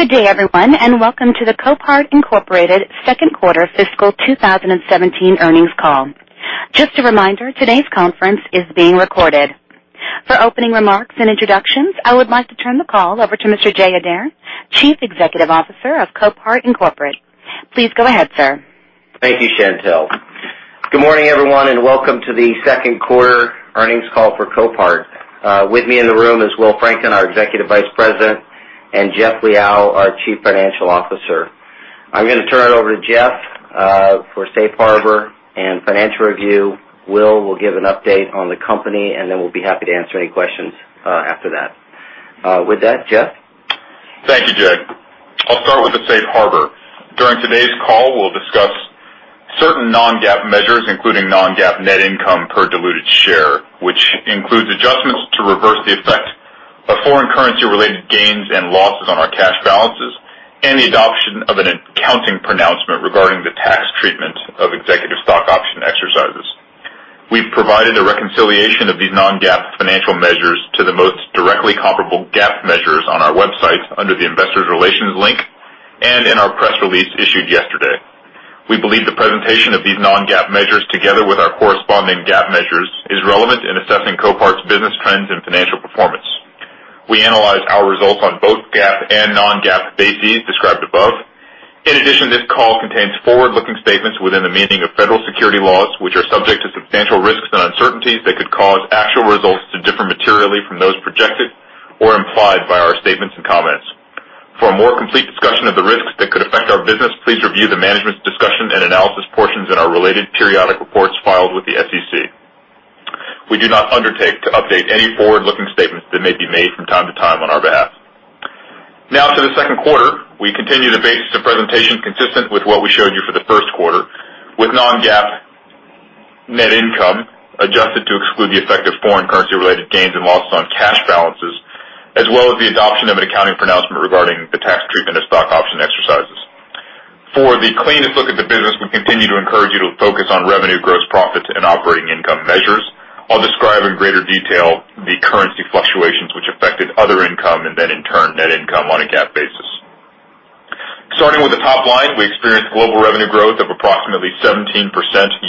Good day everyone, and welcome to the Copart, Inc. second quarter fiscal 2017 earnings call. Just a reminder, today's conference is being recorded. For opening remarks and introductions, I would like to turn the call over to Mr. Jay Adair, Chief Executive Officer of Copart, Inc.. Please go ahead, sir. Thank you, Chantelle. Good morning, everyone, and welcome to the second quarter earnings call for Copart. With me in the room is Will Franklin, our Executive Vice President, and Jeff Liaw, our Chief Financial Officer. I'm going to turn it over to Jeff for safe harbor and financial review. Will give an update on the company, and then we'll be happy to answer any questions after that. With that, Jeff? Thank you, Jay. I'll start with the safe harbor. During today's call, we'll discuss certain non-GAAP measures, including non-GAAP net income per diluted share, which includes adjustments to reverse the effect of foreign currency-related gains and losses on our cash balances, and the adoption of an accounting pronouncement regarding the tax treatment of executive stock option exercises. We've provided a reconciliation of these non-GAAP financial measures to the most directly comparable GAAP measures on our website under the Investors Relations link, and in our press release issued yesterday. We believe the presentation of these non-GAAP measures, together with our corresponding GAAP measures, is relevant in assessing Copart's business trends and financial performance. We analyze our results on both GAAP and non-GAAP bases described above. In addition, this call contains forward-looking statements within the meaning of federal security laws, which are subject to substantial risks and uncertainties that could cause actual results to differ materially from those projected or implied by our statements and comments. For a more complete discussion of the risks that could affect our business, please review the management's discussion and analysis portions in our related periodic reports filed with the SEC. We do not undertake to update any forward-looking statements that may be made from time to time on our behalf. Now to the second quarter. We continue the basis of presentation consistent with what we showed you for the first quarter, with non-GAAP net income adjusted to exclude the effect of foreign currency-related gains and losses on cash balances, as well as the adoption of an accounting pronouncement regarding the tax treatment of stock option exercises. For the cleanest look at the business, we continue to encourage you to focus on revenue, gross profits and operating income measures. I'll describe in greater detail the currency fluctuations which affected other income and then in turn net income on a GAAP basis. Starting with the top line, we experienced global revenue growth of approximately 17%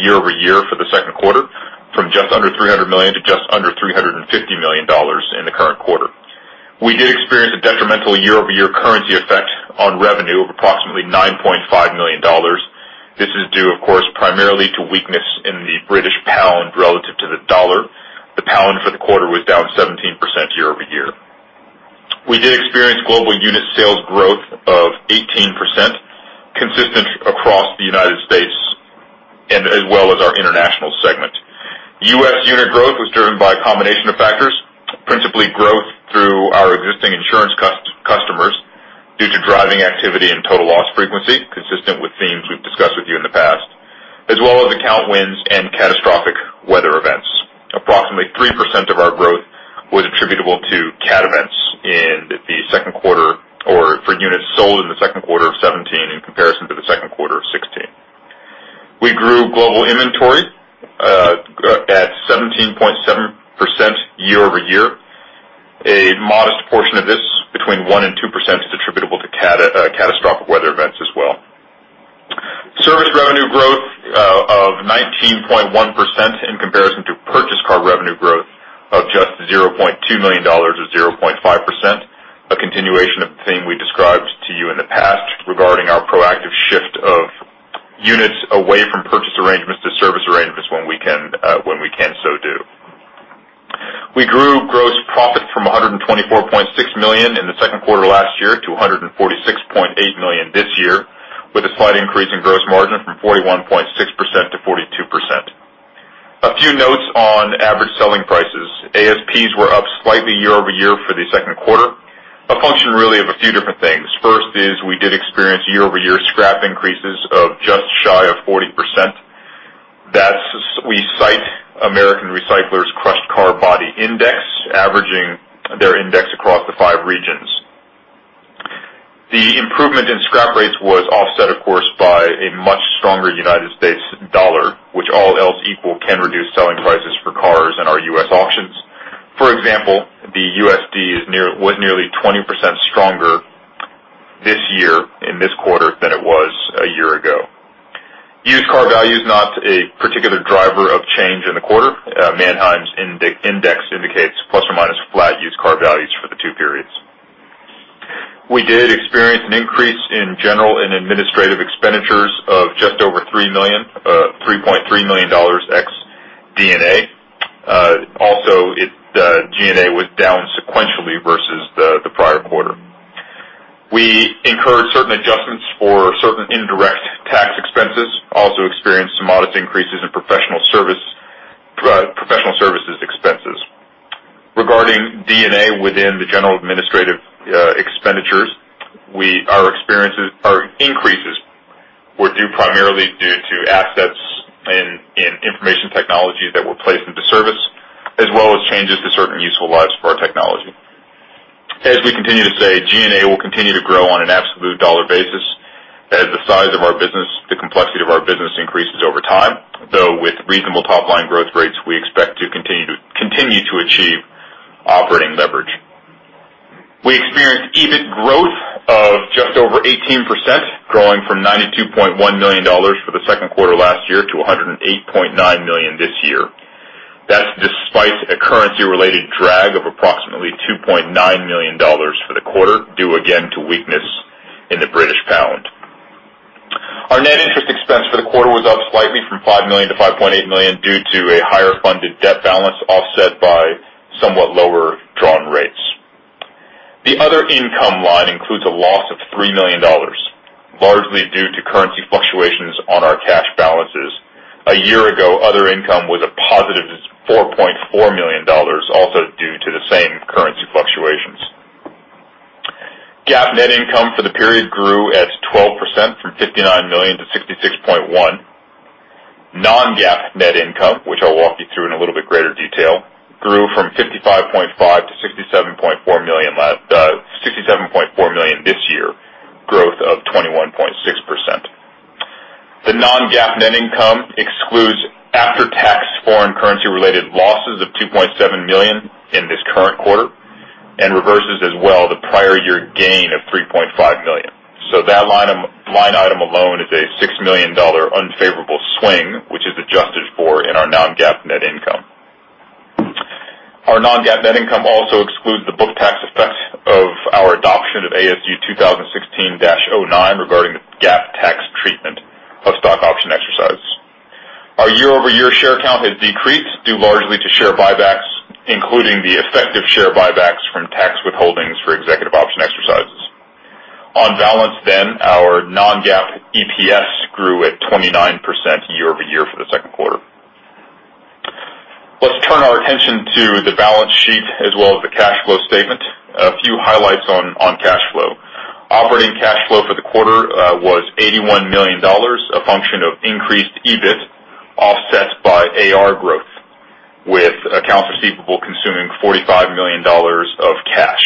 year over year for the second quarter, from just under $300 million to just under $350 million in the current quarter. We did experience a detrimental year over year currency effect on revenue of approximately $9.5 million. This is due, of course, primarily to weakness in the British pound relative to the dollar. The pound for the quarter was down 17% year over year. We did experience global unit sales growth of 18%, consistent across the United States and as well as our international segment. U.S. unit growth was driven by a combination of factors, principally growth through our existing insurance customers due to driving activity and total loss frequency, consistent with themes we've discussed with you in the past, as well as account wins and catastrophic weather events. Approximately 3% of our growth was attributable to cat events in the second quarter, or for units sold in the second quarter of 2017 in comparison to the second quarter of 2016. We grew global inventory at 17.7% year over year. A modest portion of this, between 1% and 2%, is attributable to catastrophic weather events as well. Service revenue growth of 19.1% in comparison to purchased car revenue growth of just $0.2 million or 0.5%. A continuation of the theme we described to you in the past regarding our proactive shift of units away from purchase arrangements to service arrangements when we can so do. We grew gross profit from $124.6 million in the second quarter last year to $146.8 million this year, with a slight increase in gross margin from 41.6% to 42%. A few notes on average selling prices. ASPs were up slightly year over year for the second quarter, a function really of a few different things. First is we did experience year over year scrap increases of just shy of 40%. We cite American Recycler's crushed car body index, averaging their index across the five regions. The improvement in scrap rates was offset, of course, by a much stronger United States dollar, which all else equal can reduce selling prices for cars in our U.S. auctions. For example, the USD was nearly 20% stronger this year in this quarter than it was a year ago. Used car value is not a particular driver of change in the quarter. Manheim's index indicates plus or minus flat used car values for the two periods. We did experience an increase in general and administrative expenditures of just over $3.3 million ex G&A. Also, G&A was down sequentially versus the prior quarter. We incurred certain adjustments for certain indirect tax expenses. Also experienced some modest increases in professional services expenses. Regarding G&A within the general administrative expenditures, our experiences or increases were due primarily due to assets in information technology that were placed into service, as well as changes to certain useful lives for our technology. As we continue to say, G&A will continue to grow on an operating leverage. We experienced EBIT growth of just over 18%, growing from $92.1 million for the second quarter last year to $108.9 million this year. That's despite a currency related drag of approximately $2.9 million for the quarter, due again to weakness in the British pound. Our net interest expense for the quarter was up slightly from $5 million to $5.8 million due to a higher funded debt balance, offset by somewhat lower drawn rates. The other income line includes a loss of $3 million, largely due to currency fluctuations on our cash balances. A year ago, other income was a positive $4.4 million, also due to the same currency fluctuations. GAAP net income for the period grew at 12%, from $59 million to $66.1 million. Non-GAAP net income, which I'll walk you through in a little bit greater detail, grew from $55.5 million to $67.4 million this year, growth of 21.6%. The non-GAAP net income excludes after-tax foreign currency related losses of $2.7 million in this current quarter, and reverses as well the prior year gain of $3.5 million. That line item alone is a $6 million unfavorable swing, which is adjusted for in our non-GAAP net income. Our non-GAAP net income also excludes the book tax effect of our adoption of ASU 2016-09 regarding the GAAP tax treatment of stock option exercise. Our year-over-year share count has decreased, due largely to share buybacks, including the effective share buybacks from tax withholdings for executive option exercises. On balance, our non-GAAP EPS grew at 29% year-over-year for the second quarter. Let's turn our attention to the balance sheet as well as the cash flow statement. A few highlights on cash flow. Operating cash flow for the quarter was $81 million, a function of increased EBIT, offset by AR growth, with accounts receivable consuming $45 million of cash.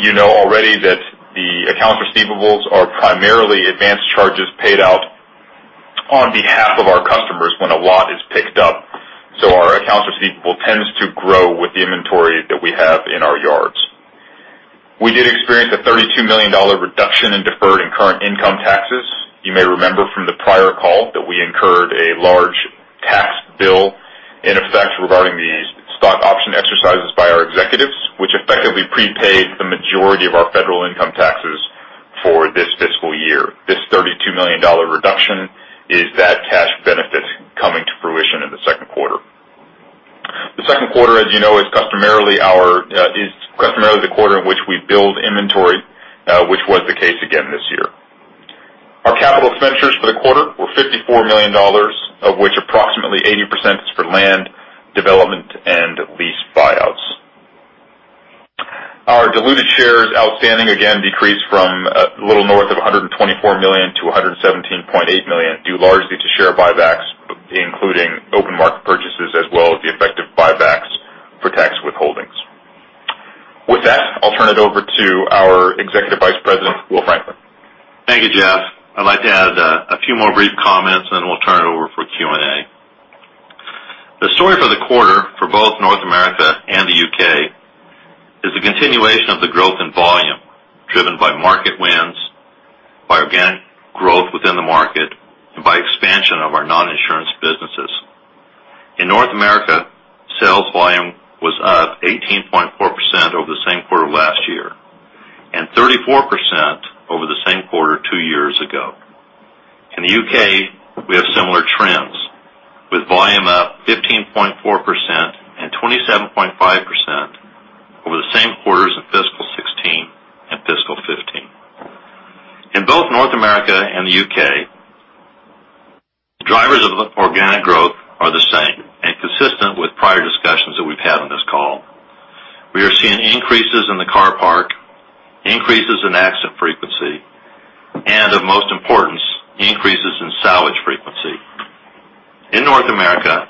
You know already that the accounts receivables are primarily advanced charges paid out on behalf of our customers when a lot is picked up. Our accounts receivable tends to grow with the inventory that we have in our yards. We did experience a $32 million reduction in deferred and current income taxes. You may remember from the prior call that we incurred a large tax bill in effect regarding the stock option exercises by our executives, which effectively prepaid the majority of our federal income taxes for this fiscal year. This $32 million reduction is that cash benefit coming to fruition in the second quarter. The second quarter, as you know, is customarily the quarter in which we build inventory, which was the case again this year. Our capital expenditures for the quarter were $54 million, of which approximately 80% is for land development and lease buyouts. Our diluted shares outstanding again decreased from a little north of 124 million to 117.8 million, due largely to share buybacks, including open market purchases as well as the effective buybacks for tax withholdings. With that, I'll turn it over to our Executive Vice President, Will Franklin. Thank you, Jeff. I'd like to add a few more brief comments and then we'll turn it over for Q&A. The story for the quarter for both North America and the U.K. is a continuation of the growth in volume, driven by market wins, by organic growth within the market, and by expansion of our non-insurance businesses. In North America, sales volume was up 18.4% over the same quarter last year, and 34% over the same quarter two years ago. In the U.K., we have similar trends, with volume up 15.4% and 27.5% over the same quarters in fiscal 2016 and fiscal 2015. In both North America and the U.K., the drivers of organic growth are the same and consistent with prior discussions that we've had on this call. We are seeing increases in the car park, increases in accident frequency, and of most importance, increases in salvage frequency. In North America,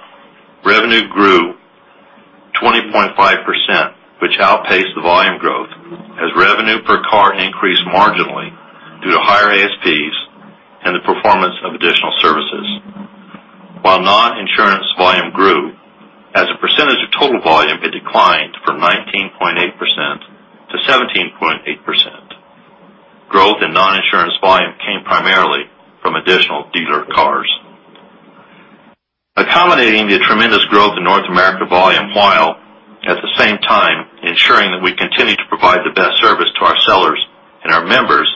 revenue grew 20.5%, which outpaced the volume growth as revenue per car increased marginally due to higher ASPs and the performance of additional services. While non-insurance volume grew, as a percentage of total volume, it declined from 19.8% to 17.8%. Growth in non-insurance volume came primarily from additional dealer cars. Accommodating the tremendous growth in North America volume while at the same time ensuring that we continue to provide the best service to our sellers and our members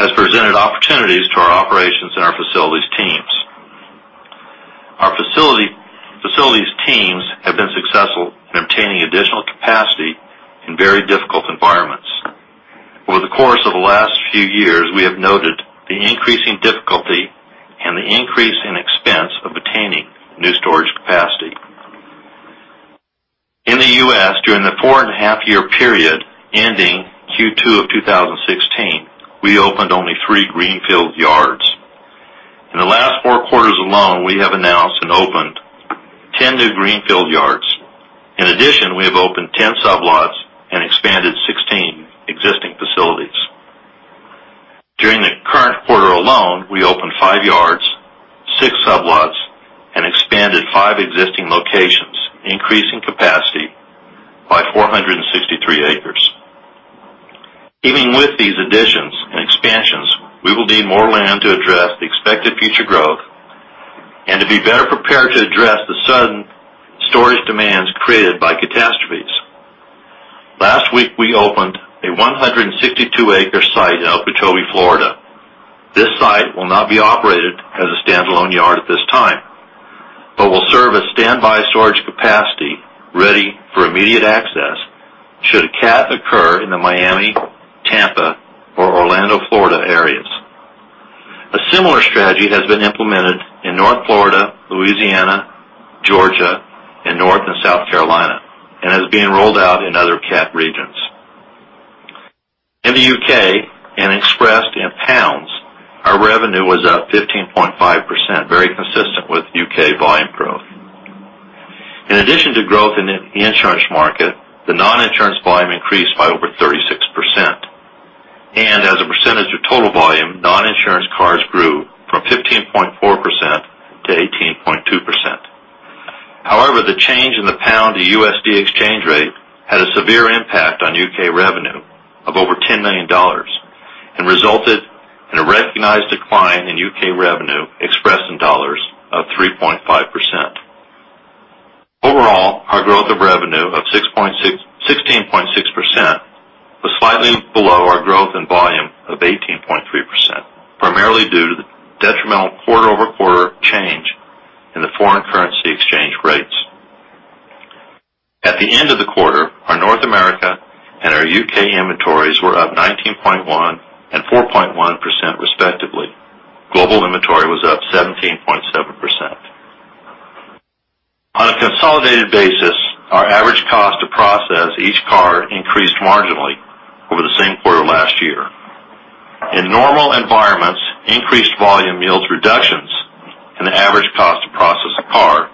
has presented opportunities to our operations and our facilities teams. Our facilities teams have been successful in obtaining additional capacity in very difficult environments. Over the course of the last few years, we have noted the increasing difficulty and the increase in expense of obtaining new storage capacity. In the U.S., during the four and a half year period ending Q2 of 2016, we opened only three greenfield yards. In the last four quarters alone, we have announced and opened 10 new greenfield yards. In addition, we have Sublots and expanded five existing locations, increasing capacity by 463 acres. Even with these additions and expansions, we will need more land to address the expected future growth and to be better prepared to address the sudden storage demands created by catastrophes. Last week, we opened a 162-acre site in Okeechobee, Florida. This site will not be operated as a standalone yard at this time, but will serve as standby storage capacity ready for immediate access should a cat occur in the Miami, Tampa, or Orlando, Florida areas. A similar strategy has been implemented in North Florida, Louisiana, Georgia, and North and South Carolina, and is being rolled out in other cat regions. In the U.K. and expressed in pounds, our revenue was up 15.5%, very consistent with U.K. volume growth. In addition to growth in the insurance market, the non-insurance volume increased by over 36%. As a percentage of total volume, non-insurance cars grew from 15.4% to 18.2%. However, the change in the pound-to-USD exchange rate had a severe impact on U.K. revenue of over $10 million and resulted in a recognized decline in U.K. revenue expressed in dollars of 3.5%. Overall, our growth of revenue of 16.6% was slightly below our growth in volume of 18.3%, primarily due to the detrimental quarter-over-quarter change in the foreign currency exchange rates. At the end of the quarter, our North America and our U.K. inventories were up 19.1% and 4.1%, respectively. Global inventory was up 17.7%. On a consolidated basis, our average cost to process each car increased marginally over the same quarter last year. In normal environments, increased volume yields reductions in the average cost to process a car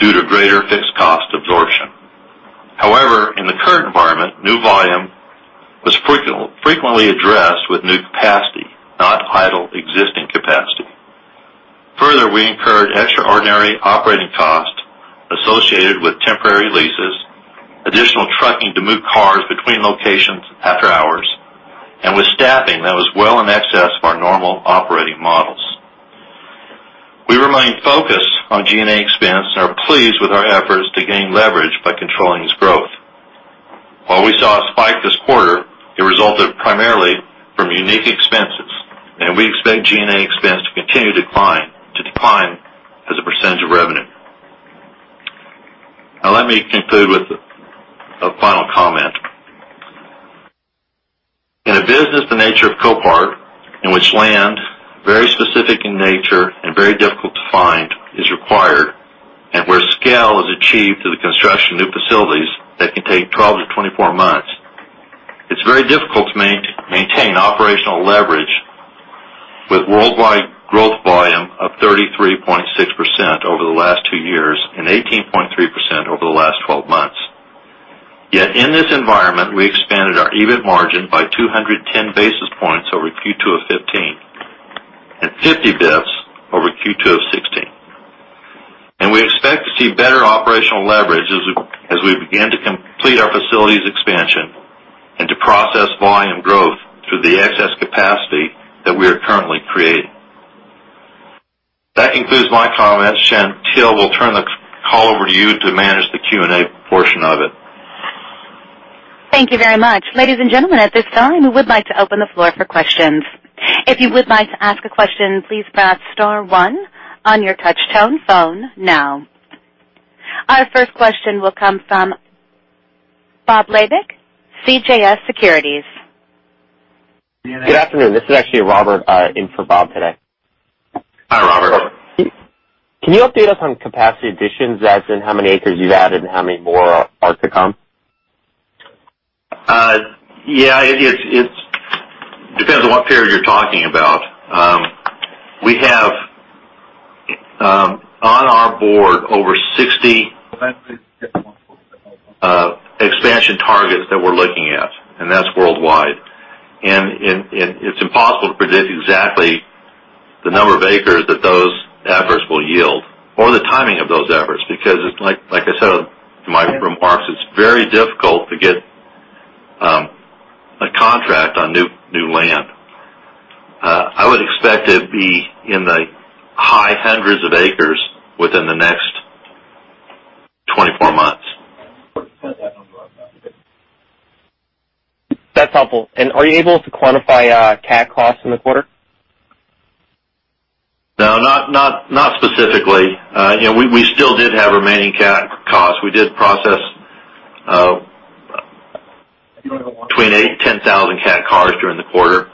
due to greater fixed cost absorption. However, in the current environment, new volume was frequently addressed with new capacity, not idle existing capacity. Further, we incurred extraordinary operating costs associated with temporary leases, additional trucking to move cars between locations after hours, and with staffing that was well in excess of our normal operating models. We remain focused on G&A expense and are pleased with our efforts to gain leverage by controlling its growth. While we saw a spike this quarter, it resulted primarily from unique expenses, and we expect G&A expense to continue to decline as a percentage of revenue. Let me conclude with a final comment. In a business the nature of Copart, in which land, very specific in nature and very difficult to find, is required, and where scale is achieved through the construction of new facilities that can take 12 to 24 months, it's very difficult to maintain operational leverage with worldwide growth volume of 33.6% over the last two years and 18.3% over the last 12 months. Yet in this environment, we expanded our EBIT margin by 210 basis points over Q2 of 2015 and 50 basis points over Q2 of 2016. We expect to see better operational leverage as we begin to complete our facilities expansion and to process volume growth through the excess capacity that we are currently creating. That concludes my comments. Shannon Teel, we'll turn the call over to you to manage the Q&A portion of it. Thank you very much. Ladies and gentlemen, at this time, we would like to open the floor for questions. If you would like to ask a question, please press star one on your touchtone phone now. Our first question will come from Bob Labick, CJS Securities. Good afternoon. This is actually Robert, in for Bob today. Hi, Robert. Can you update us on capacity additions? As in how many acres you've added and how many more are to come? Yeah. It depends on what period you're talking about. We have, on our board, over 60 expansion targets that we're looking at, and that's worldwide. It's impossible to predict exactly the number of acres that those efforts will yield or the timing of those efforts, because like I said in my remarks, it's very difficult to get a contract on new land. I would expect it to be in the high hundreds of acres within the next 24 months. That's helpful. Are you able to quantify cat costs in the quarter? No, not specifically. We still did have remaining cat costs. We did process between eight and 10,000 cat cars during the quarter.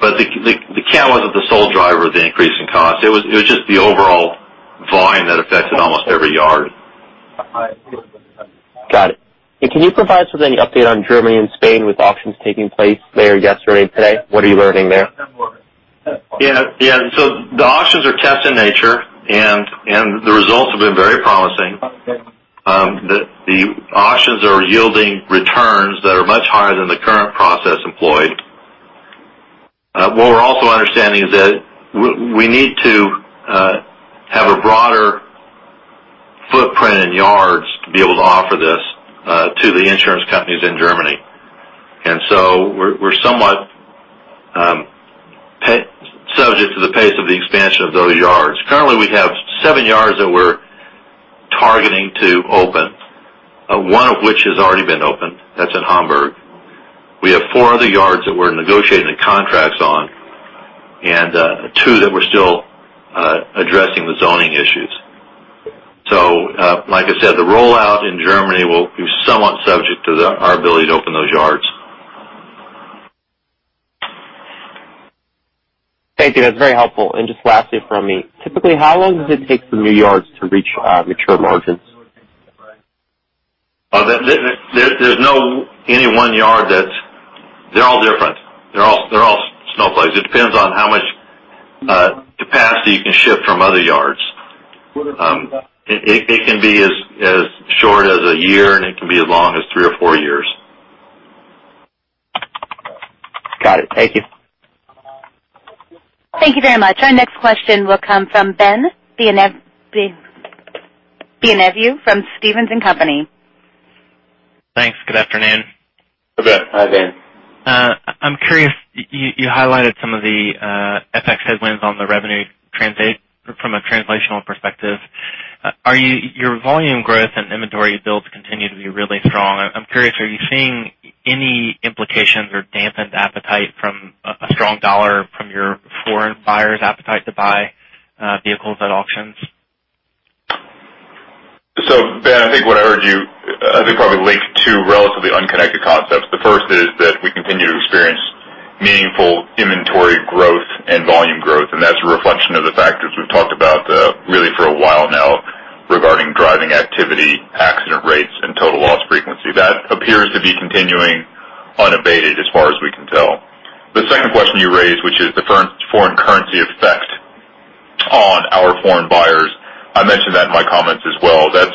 The cat wasn't the sole driver of the increase in cost. It was just the overall volume that affected almost every yard. Got it. Can you provide us with any update on Germany and Spain with auctions taking place there yesterday and today? What are you learning there? The auctions are test in nature, and the results have been very promising. The auctions are yielding returns that are much higher than the current process employed. What we're also understanding is that we need to have a broader footprint in yards to be able to offer this to the insurance companies in Germany. We're somewhat subject to the pace of the expansion of those yards. Currently, we have seven yards that we're targeting to open, one of which has already been opened. That's in Hamburg. We have four other yards that we're negotiating the contracts on, and two that we're still addressing the zoning issues. Like I said, the rollout in Germany will be somewhat subject to our ability to open those yards. Thank you. That's very helpful. Just lastly from me, typically, how long does it take for new yards to reach mature margins? There's no any one yard that They're all different. They're all snowflakes. It depends on how much capacity you can shift from other yards. It can be as short as one year, and it can be as long as three or four years. Got it. Thank you. Thank you very much. Our next question will come from Ben Bienvenu from Stephens & Company. Thanks. Good afternoon. Good. Hi, Ben. I'm curious, you highlighted some of the FX headwinds on the revenue from a translational perspective. Your volume growth and inventory builds continue to be really strong. I'm curious, are you seeing any implications or dampened appetite from a strong dollar from your foreign buyers' appetite to buy vehicles at auctions? Ben, I think what I heard you, I think, probably link two relatively unconnected concepts. The first is that we continue to experience meaningful inventory growth and volume growth, and that's a reflection of the factors we've talked about really for a while now regarding driving activity, accident rates, and total loss frequency. That appears to be continuing unabated as far as we can tell. The second question you raised, which is the foreign currency effect on our foreign buyers. I mentioned that in my comments as well. That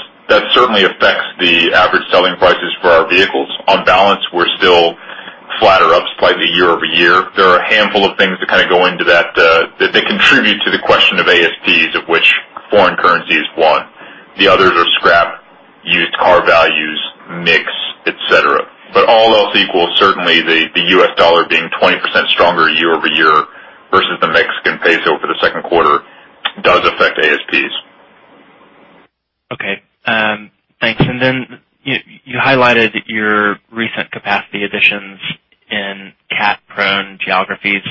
certainly affects the average selling prices for our vehicles. On balance, we're still flatter up slightly year-over-year. There are a handful of things that kind of go into that contribute to the question of ASPs, of which foreign currency is one. The others are scrap, used car values, mix, et cetera. All else equal, certainly the U.S. dollar being 20% stronger year-over-year versus the Mexican peso for the second quarter does affect ASPs. Okay. Thanks. You highlighted your recent capacity additions in cat-prone geographies.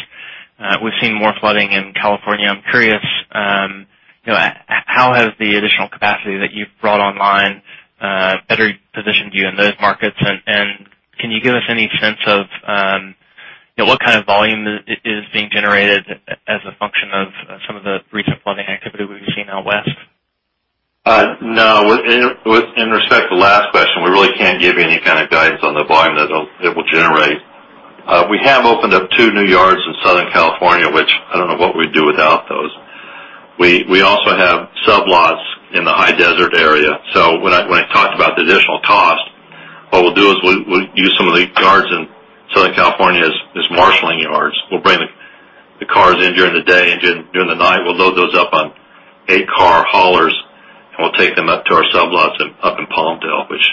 We've seen more flooding in California. I'm curious, how has the additional capacity that you've brought online better positioned you in those markets? Can you give us any sense of what kind of volume is being generated as a function of some of the recent flooding activity we've seen out west? No. In respect to the last question, we really can't give you any kind of guidance on the volume that it will generate. We have opened up two new yards in Southern California, which I don't know what we'd do without those. We also have sublots in the high desert area. When I talked about the additional cost, what we'll do is we'll use some of the yards in Southern California as marshaling yards. We'll bring the cars in during the day, and during the night, we'll load those up on eight-car haulers, and we'll take them up to our sublots up in Palmdale, which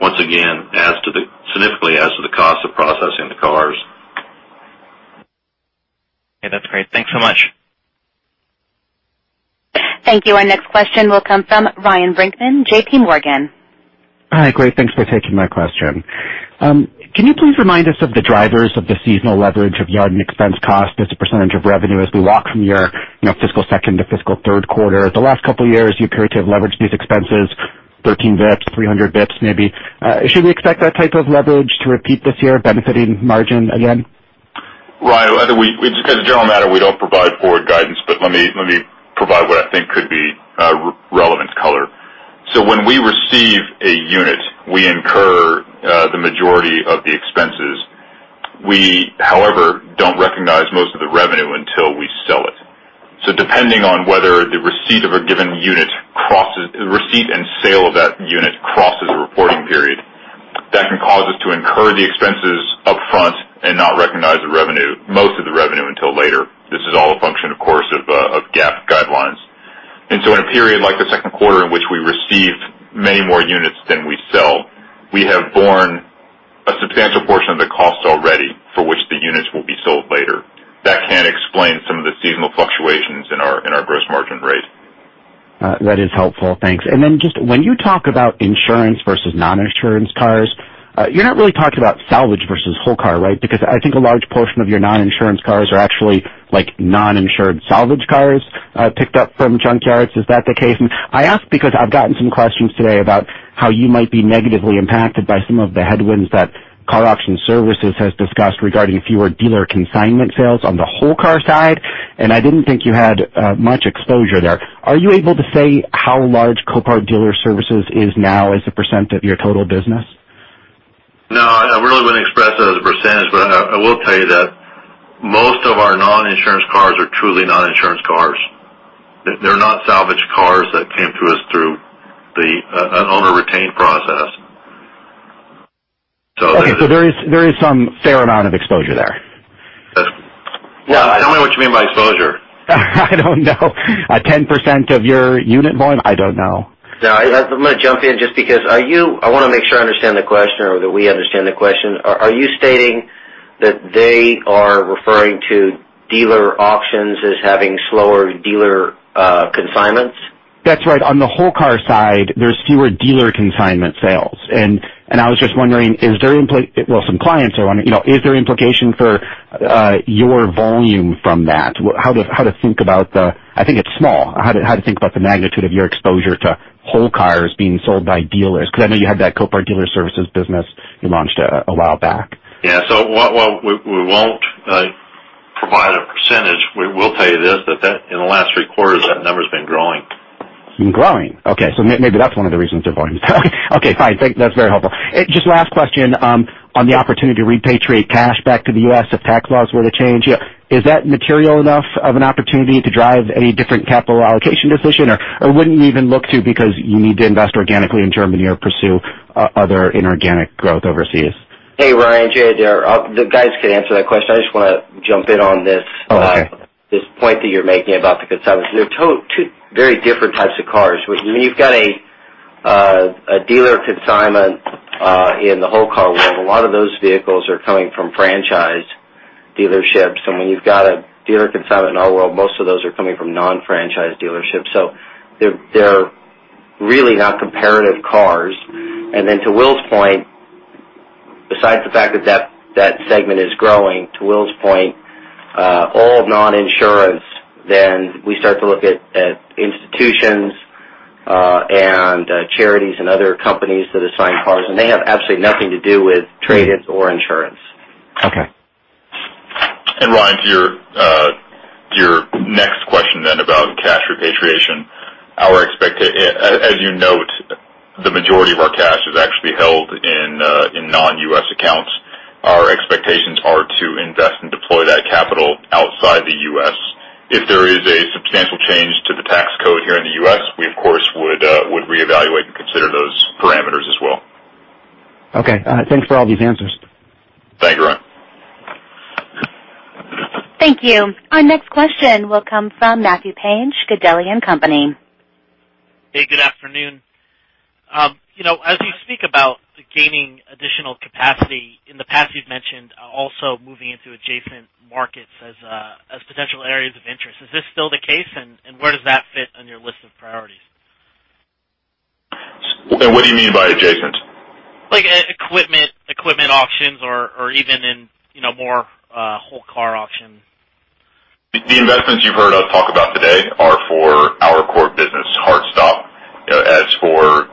once again, significantly adds to the cost of processing the cars. Okay. That's great. Thanks so much. Thank you. Our next question will come from Ryan Brinkman, J.P. Morgan. Hi. Great. Thanks for taking my question. Can you please remind us of the drivers of the seasonal leverage of yard and expense cost as a percentage of revenue as we walk from your fiscal second to fiscal third quarter? The last couple of years, you appear to have leveraged these expenses 13 bps, 300 bps maybe. Should we expect that type of leverage to repeat this year, benefiting margin again? Ryan, as a general matter, we don't provide forward guidance, but let me provide what I think could be relevant color. When we receive a unit, we incur the majority of the expenses. We, however, don't recognize most of the revenue until we sell it. Depending on whether the receipt and sale of that unit crosses a reporting period, that can cause us to incur the expenses up front and not recognize most of the revenue until later. This is all a function, of course, of GAAP guidelines. In a period like the second quarter, in which we receive many more units than we sell, we have borne a substantial portion of the cost already for which the units will be sold later. That can explain some of the seasonal fluctuations in our gross margin rate. That is helpful. Thanks. Just when you talk about insurance versus non-insurance cars, you're not really talking about salvage versus whole car, right? I think a large portion of your non-insurance cars are actually non-insured salvage cars picked up from junkyards. Is that the case? I ask because I've gotten some questions today about how you might be negatively impacted by some of the headwinds that KAR Auction Services has discussed regarding fewer dealer consignment sales on the whole car side, and I didn't think you had much exposure there. Are you able to say how large Copart Dealer Services is now as a percent of your total business? No, I really wouldn't express it as a percentage, but I will tell you that most of our non-insurance cars are truly non-insurance cars. They're not salvaged cars that came to us through an owner retained process. Okay. There is some fair amount of exposure there. Well, tell me what you mean by exposure. I don't know. 10% of your unit volume? I don't know. No, I'm going to jump in just because I want to make sure I understand the question or that we understand the question. Are you stating that they are referring to dealer auctions as having slower dealer consignments? That's right. On the whole car side, there's fewer dealer consignment sales. I was just wondering, well, some clients are wondering, is there implication for your volume from that? I think it's small. How to think about the magnitude of your exposure to whole cars being sold by dealers, because I know you had that Copart Dealer Services business you launched a while back. Yeah. While we won't provide a percentage, we will tell you this, that in the last three quarters, that number's been growing. It's been growing. Okay. Maybe that's one of the reasons they're volume's down. Okay, fine. That's very helpful. Just last question on the opportunity to repatriate cash back to the U.S. if tax laws were to change. Is that material enough of an opportunity to drive any different capital allocation decision? Wouldn't you even look to because you need to invest organically in Germany or pursue other inorganic growth overseas? Hey, Ryan. Jay here. The guys could answer that question. I just want to jump in on this. Oh, okay This point that you're making about the consignments. They're two very different types of cars. When you've got a dealer consignment in the whole car world, a lot of those vehicles are coming from franchise dealerships. When you've got a dealer consignment in our world, most of those are coming from non-franchise dealerships. They're really not comparative cars. To Will's point, besides the fact that that segment is growing, to Will's point, all non-insurance, then we start to look at institutions and charities and other companies that assign cars, and they have absolutely nothing to do with trade-ins or insurance. Okay. Ryan, to your next question then about cash repatriation. As you note, the majority of our cash is actually held in non-U.S. accounts. Our expectations are to invest and deploy that capital outside the U.S. If there is a substantial change to the tax code here in the U.S., we of course would reevaluate and consider those parameters as well. Okay. Thanks for all these answers. Thanks, Ryan. Thank you. Our next question will come from Matthew Page, Gabelli & Company. Hey, good afternoon. As you speak about gaining additional capacity, in the past you've mentioned also moving into adjacent markets as potential areas of interest. Is this still the case, and where does that fit on your list of priorities? What do you mean by adjacent? Like equipment auctions or even in more whole car auction. The investments you've heard us talk about today are for our core business, hard stop. As for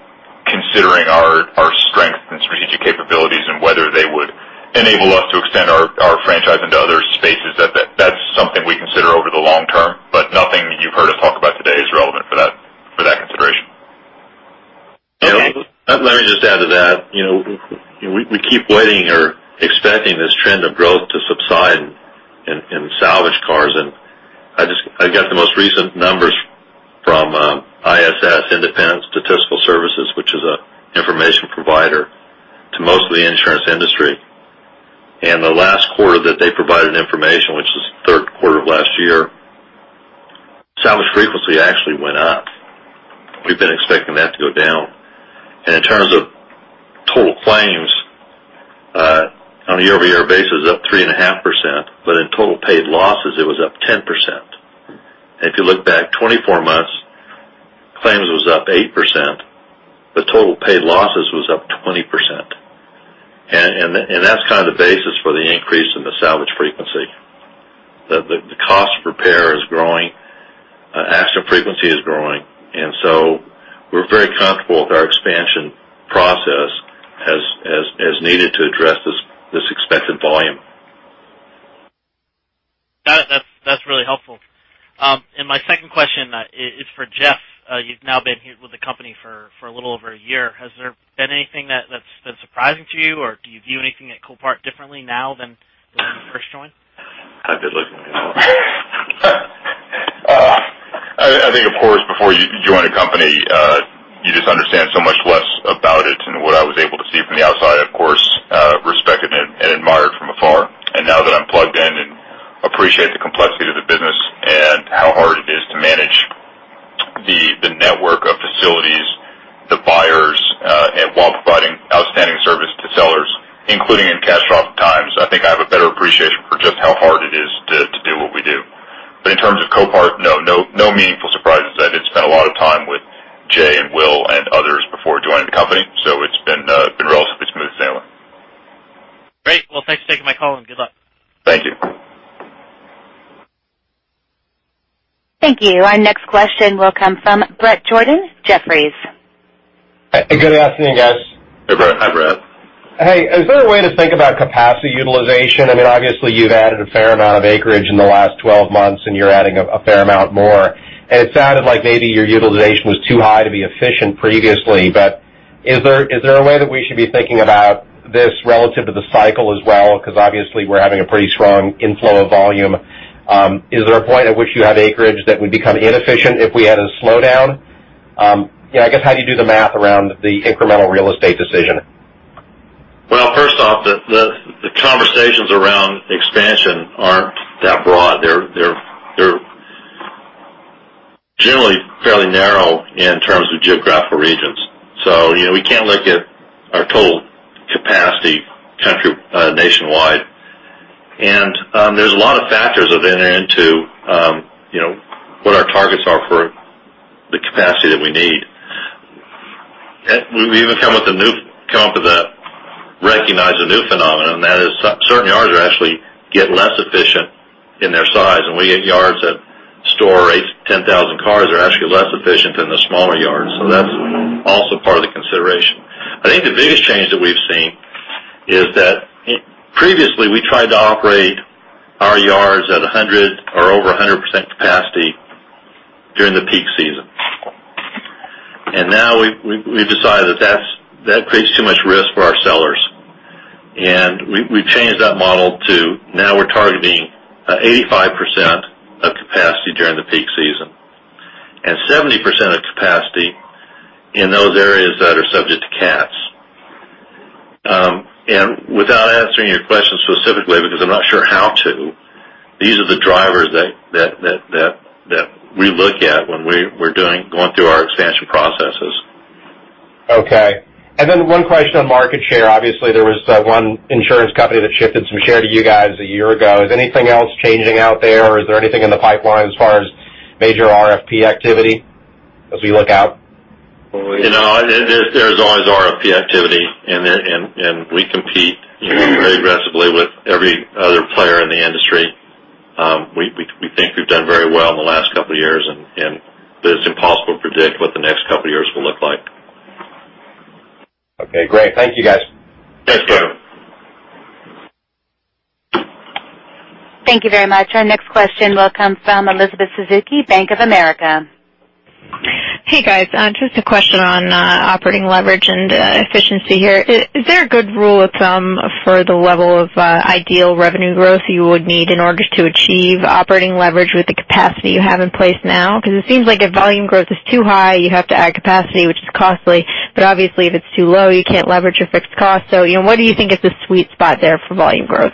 considering our strength and strategic capabilities and whether they would enable us to extend our franchise into other spaces, that's something we consider over the long term, but nothing you've heard us talk about today is relevant for that consideration. Okay. Let me just add to that. We keep waiting or expecting this trend of growth to subside in salvaged cars. I got the most recent numbers from ISS, Independent Statistical Service, Inc., which is an information provider to most of the insurance industry. The last quarter that they provided information, which is the third quarter of last year, salvage frequency actually went up. We've been expecting that to go down. In terms of total claims, on a year-over-year basis, up 3.5%, but in total paid losses, it was up 10%. If you look back 24 months, claims was up 8%, but total paid losses was up 20%. That's kind of the basis for the increase in the salvage frequency. The cost of repair is growing, as for frequency is growing, we're very comfortable with our expansion process as needed to address this expected volume. Got it. That's really helpful. My second question is for Jeff. You've now been here with the company for a little over a year. Has there been anything that's been surprising to you, or do you view anything at Copart differently now than when you first joined? I've been looking at you. I think, of course, before you join a company, you just understand so much less about it. What I was able to see from the outside, of course, respected and admired from afar. Now that I'm plugged in and appreciate the complexity of the business and how hard it is to manage the network of facilities, the buyers, while providing outstanding service to sellers, including in cash drop times, I think I have a better appreciation for just how hard it is to do what we do. In terms of Copart, no meaningful surprises. I did spend a lot of time with Jay and Will and others before joining the company, so it's been a relatively smooth sailing. Great. Well, thanks for taking my call and good luck. Thank you. Thank you. Our next question will come from Bret Jordan, Jefferies. Good afternoon, guys. Hey, Bret. Hi, Bret. Hey. Is there a way to think about capacity utilization? Obviously you've added a fair amount of acreage in the last 12 months, and you're adding a fair amount more. It sounded like maybe your utilization was too high to be efficient previously. Is there a way that we should be thinking about this relative to the cycle as well? Obviously we're having a pretty strong inflow of volume. Is there a point at which you have acreage that would become inefficient if we had a slowdown? I guess, how do you do the math around the incremental real estate decision? Well, first off, the conversations around expansion aren't that broad. They're generally fairly narrow in terms of geographical regions. We can't look at our total capacity nationwide. There's a lot of factors that enter into what our targets are for the capacity that we need. We've even come up with a recognized new phenomenon, and that is certain yards are actually getting less efficient in their size. We get yards that store 8,000 to 10,000 cars are actually less efficient than the smaller yards. That's also part of the consideration. I think the biggest change that we've seen is that previously we tried to operate our yards at 100% or over 100% capacity during the peak season. Now we've decided that creates too much risk for our sellers. We've changed that model to now we're targeting 85% of capacity during the peak season, and 70% of capacity in those areas that are subject to cats. Without answering your question specifically, because I'm not sure how to, these are the drivers that we look at when we're going through our expansion processes. Okay. One question on market share. Obviously, there was one insurance company that shifted some share to you guys a year ago. Is anything else changing out there, or is there anything in the pipeline as far as major RFP activity as we look out? There's always RFP activity. We compete very aggressively with every other player in the industry. We think we've done very well in the last couple of years, it's impossible to predict what the next couple of years will look like. Okay, great. Thank you, guys. Thanks, Bret. Thank you very much. Our next question will come from Elizabeth Suzuki, Bank of America. Hey, guys. Just a question on operating leverage and efficiency here. Is there a good rule of thumb for the level of ideal revenue growth you would need in order to achieve operating leverage with the capacity you have in place now? It seems like if volume growth is too high, you have to add capacity, which is costly. Obviously if it's too low, you can't leverage your fixed cost. What do you think is the sweet spot there for volume growth?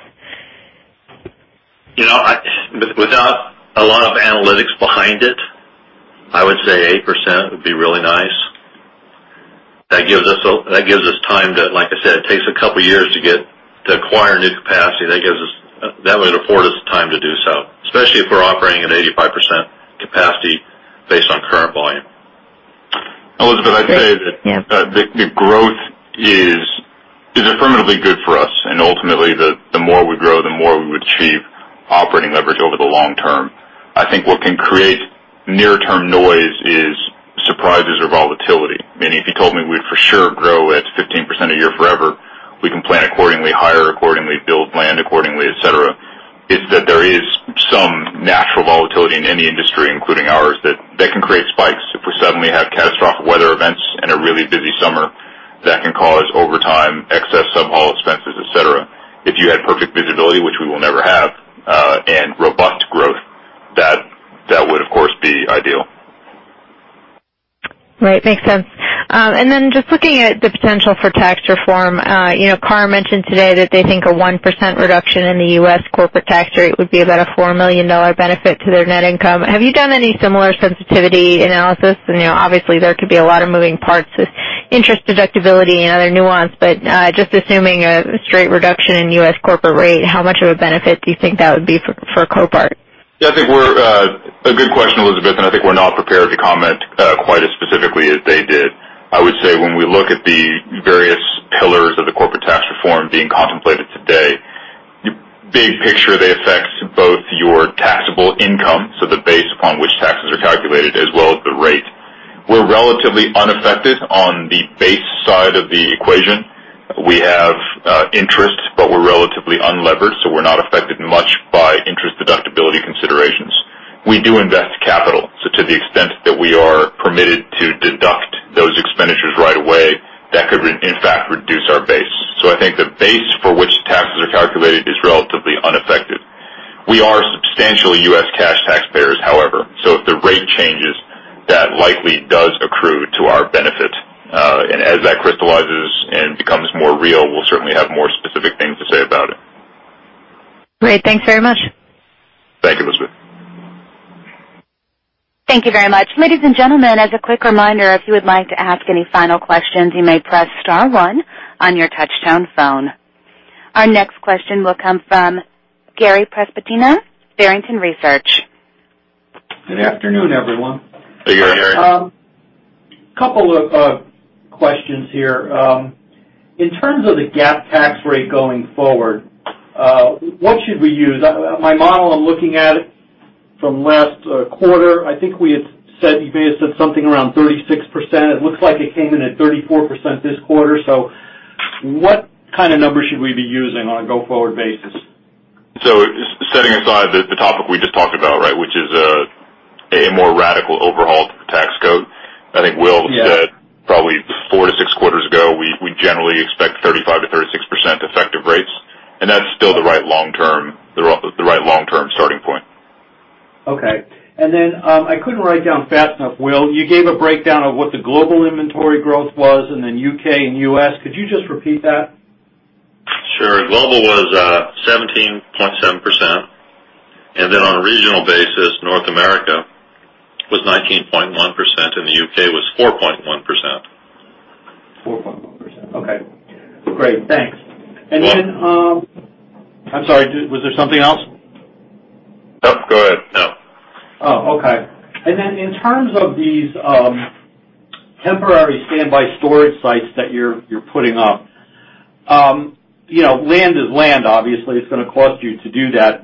Without a lot of analytics behind it, I would say 8% would be really nice. That gives us time to, like I said, it takes a couple of years to acquire new capacity. That would afford us time to do so, especially if we're operating at 85% capacity based on current volume. Elizabeth, I'd say that the growth is affirmatively good for us. Ultimately, the more we grow, the more we would achieve operating leverage over the long term. I think what can create near-term noise is surprises or volatility. Meaning if you told me we'd for sure grow at 15% a year forever, we can plan accordingly, hire accordingly, build land accordingly, et cetera. It's that there is some natural volatility in any industry, including ours, that can create spikes. If we suddenly have catastrophic weather events and a really busy summer, that can cause overtime, excess sub-haul expenses, et cetera. If you had perfect visibility, which we will never have, and robust growth, that would, of course, be ideal. Right. Makes sense. Then just looking at the potential for tax reform. KAR mentioned today that they think a 1% reduction in the U.S. corporate tax rate would be about a $4 million benefit to their net income. Have you done any similar sensitivity analysis? Obviously, there could be a lot of moving parts with interest deductibility and other nuance, but just assuming a straight reduction in U.S. corporate rate, how much of a benefit do you think that would be for Copart? Good question, Elizabeth. I think we're not prepared to comment quite as specifically as they did. I would say when we look at the various pillars of the corporate tax reform being contemplated today, big picture, they affect both your taxable income, so the base upon which taxes are calculated, as well as the rate. We're relatively unaffected on the base side of the equation. We have interest, but we're relatively unlevered, so we're not affected much by interest deductibility considerations. We do invest capital, so to the extent that we are permitted to deduct those expenditures right away, that could in fact reduce our base. I think the base for which taxes are calculated is relatively unaffected. We are substantially U.S. cash taxpayers, however. If the rate changes, that likely does accrue to our benefit. As that crystallizes and becomes more real, we'll certainly have more specific things to say about it. Great. Thanks very much. Thank you, Elizabeth. Thank you very much. Ladies and gentlemen, as a quick reminder, if you would like to ask any final questions, you may press star one on your touchtone phone. Our next question will come from Gary Prestopino, Barrington Research. Good afternoon, everyone. Hey, Gary. A couple of questions here. In terms of the GAAP tax rate going forward, what should we use? My model I'm looking at from last quarter, I think you may have said something around 36%. It looks like it came in at 34% this quarter. What kind of number should we be using on a go-forward basis? Setting aside the topic we just talked about, which is A more radical overhaul to the tax code. I think Will said probably 4 to 6 quarters ago, we generally expect 35%-36% effective rates, That's still the right long-term starting point. Okay. I couldn't write down fast enough, Will, you gave a breakdown of what the global inventory growth was, then U.K. and U.S. Could you just repeat that? Sure. Global was 17.7%. On a regional basis, North America was 19.1%, The U.K. was 4.1%. 4.1%. Okay. Great. Thanks. You're welcome. I'm sorry, was there something else? No, go ahead. No. Oh, okay. In terms of these temporary standby storage sites that you're putting up. Land is land, obviously, it's going to cost you to do that.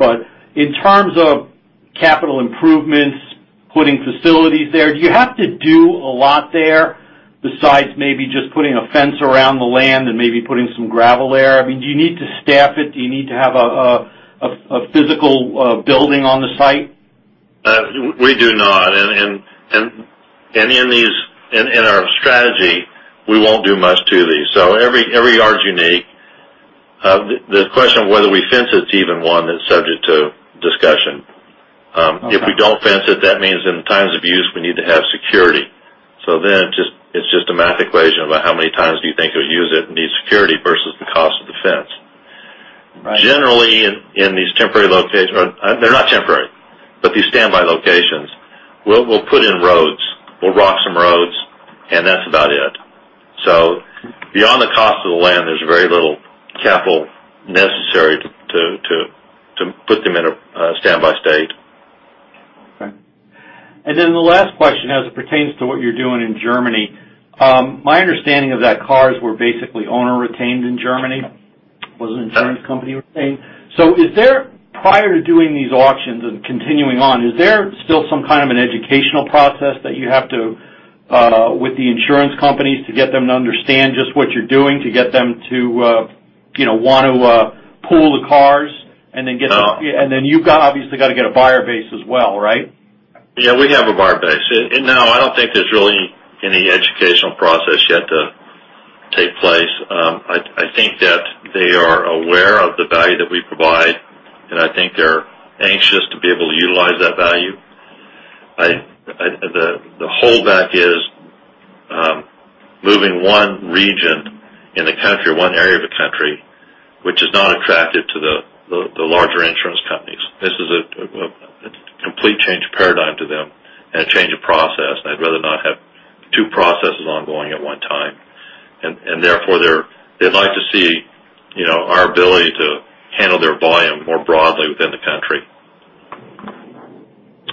In terms of capital improvements, putting facilities there, do you have to do a lot there besides maybe just putting a fence around the land and maybe putting some gravel there? I mean, do you need to staff it? Do you need to have a physical building on the site? We do not. In our strategy, we won't do much to these. Every yard's unique. The question of whether we fence it is even one that's subject to discussion. Okay. If we don't fence it, that means in times of use, we need to have security. It's just a math equation about how many times do you think you'll use it and need security versus the cost of the fence. Right. Generally, They're not temporary, but these standby locations, we'll put in roads, we'll rock some roads, and that's about it. Beyond the cost of the land, there's very little capital necessary to put them in a standby state. Okay. The last question, as it pertains to what you're doing in Germany. My understanding of that, cars were basically owner-retained in Germany. Was it insurance company-retained? Is there, prior to doing these auctions and continuing on, is there still some kind of an educational process that you have to, with the insurance companies to get them to understand just what you're doing, to get them to want to pool the cars. No. Then you've obviously got to get a buyer base as well, right? Yeah, we have a buyer base. No, I don't think there's really any educational process yet to take place. I think that they are aware of the value that we provide, and I think they're anxious to be able to utilize that value. The holdback is moving one region in the country or one area of the country which is not attractive to the larger insurance companies. This is a complete change of paradigm to them and a change of process, and they'd rather not have two processes ongoing at one time. Therefore, they'd like to see our ability to handle their volume more broadly within the country.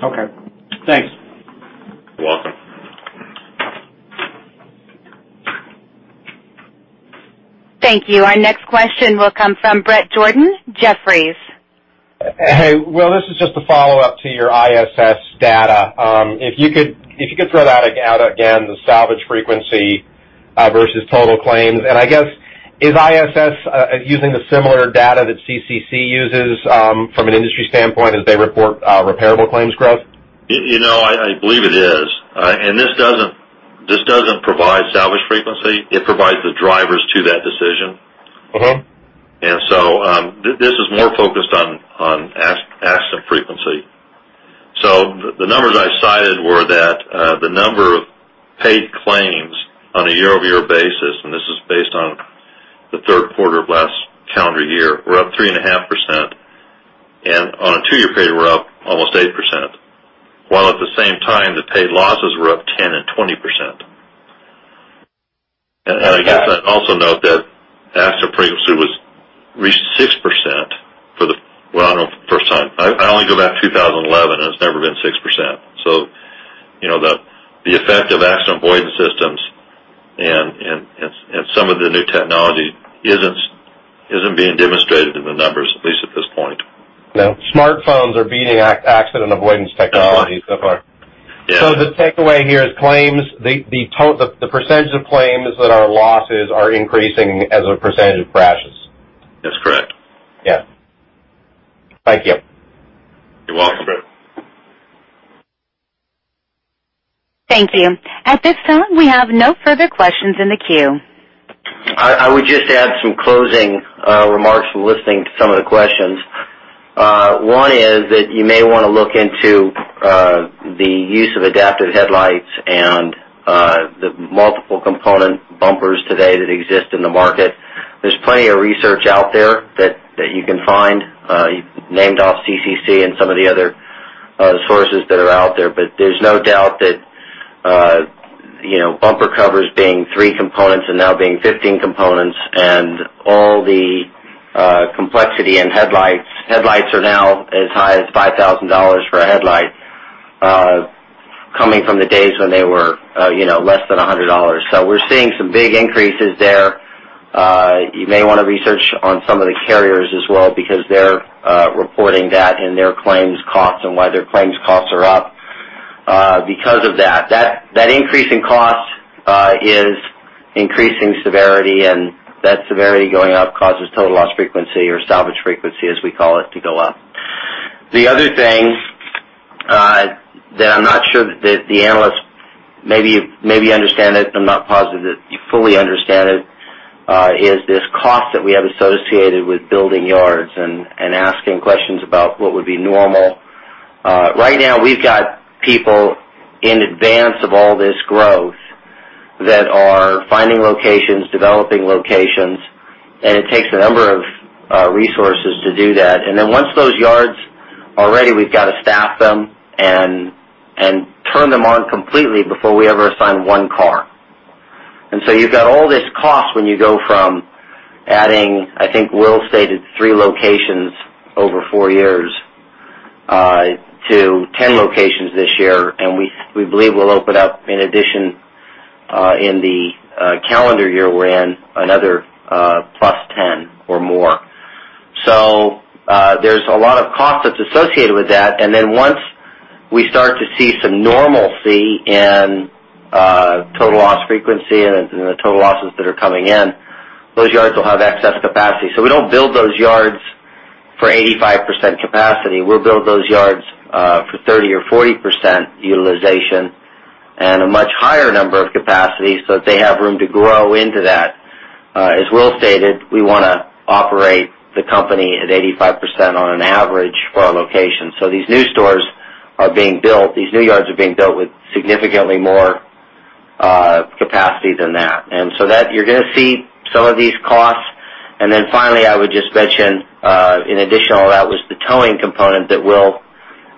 Okay. Thanks. You're welcome. Thank you. Our next question will come from Bret Jordan, Jefferies. Hey. Will, this is just a follow-up to your ISS data. If you could throw that out again, the salvage frequency versus total claims. I guess, is ISS using the similar data that CCC uses from an industry standpoint as they report repairable claims growth? I believe it is. This doesn't provide salvage frequency. It provides the drivers to that decision. This is more focused on accident frequency. The numbers I cited were that the number of paid claims on a year-over-year basis, and this is based on the third quarter of last calendar year, were up 3.5%, and on a two-year period, were up almost 8%. While at the same time, the paid losses were up 10% and 20%. I guess I'd also note that accident frequency reached 6%. Well, I don't know for the first time. I only go back 2011, and it's never been 6%. The effect of accident avoidance systems and some of the new technology isn't being demonstrated in the numbers, at least at this point. No. Smartphones are beating accident avoidance technology so far. Yes. The takeaway here is claims, the percentage of claims that are losses are increasing as a percentage of crashes. That's correct. Yeah. Thank you. You're welcome. Thank you. At this time, we have no further questions in the queue. I would just add some closing remarks from listening to some of the questions. One is that you may want to look into the use of adaptive headlights and the multiple component bumpers today that exist in the market. There's plenty of research out there that you can find. You named off CCC and some of the other sources that are out there, but there's no doubt that bumper covers being three components and now being 15 components and all the complexity in headlights. Headlights are now as high as $5,000 for a headlight, coming from the days when they were less than $100. We're seeing some big increases there. You may want to research on some of the carriers as well because they're reporting that in their claims costs and why their claims costs are up because of that. That increase in cost is increasing severity, That severity going up causes total loss frequency or salvage frequency, as we call it, to go up. The other thing that I'm not sure that the analysts maybe understand it, I'm not positive that you fully understand it, is this cost that we have associated with building yards and asking questions about what would be normal. Right now, we've got people in advance of all this growth that are finding locations, developing locations, and it takes a number of resources to do that. Once those yards are ready, we've got to staff them and turn them on completely before we ever assign one car. You've got all this cost when you go from adding, I think Will Franklin stated three locations over four years to 10 locations this year, and we believe we'll open up in addition in the calendar year we're in another plus 10 or more. There's a lot of cost that's associated with that, and then once we start to see some normalcy in total loss frequency and the total losses that are coming in, those yards will have excess capacity. We don't build those yards for 85% capacity. We'll build those yards for 30% or 40% utilization and a much higher number of capacity so that they have room to grow into that. As Will Franklin stated, we want to operate the company at 85% on an average for our location. These new stores are being built. These new yards are being built with significantly more capacity than that. That you're going to see some of these costs. Finally, I would just mention, in addition to all that, was the towing component that Will Franklin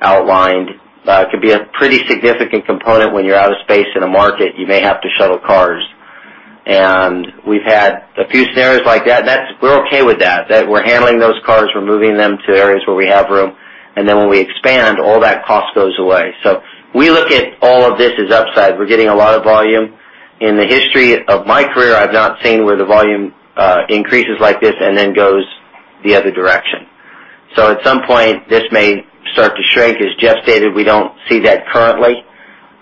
outlined. It could be a pretty significant component when you're out of space in a market, you may have to shuttle cars. We've had a few scenarios like that. We're okay with that. We're handling those cars, we're moving them to areas where we have room, and then when we expand, all that cost goes away. We look at all of this as upside. We're getting a lot of volume. In the history of my career, I've not seen where the volume increases like this and then goes the other direction. At some point, this may start to shrink. As Jeff Liaw stated, we don't see that currently.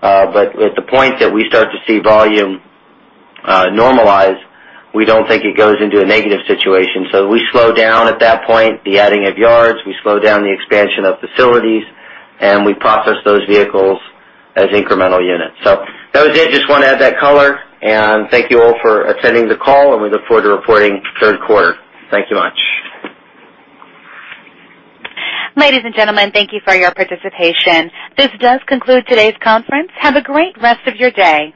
At the point that we start to see volume normalize, we don't think it goes into a negative situation. We slow down at that point, the adding of yards, we slow down the expansion of facilities, and we process those vehicles as incremental units. That was it. Just want to add that color, and thank you all for attending the call, and we look forward to reporting third quarter. Thank you much. Ladies and gentlemen, thank you for your participation. This does conclude today's conference. Have a great rest of your day.